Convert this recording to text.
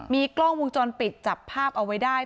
มีกล้องวงจรปิดจับภาพเอาไว้ได้